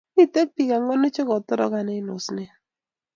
Miten pik anwanu che kitorokan en osnet